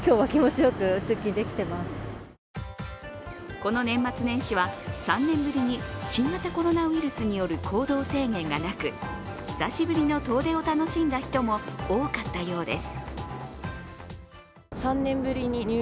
この年末年始は３年ぶりに新型コロナウイルスによる行動制限がなく久しぶりの遠出を楽しんだ人も多かったようです。